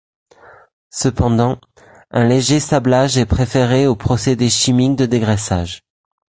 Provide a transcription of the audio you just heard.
Cependant, un léger sablage est préféré aux procédés chimiques de dégraissage.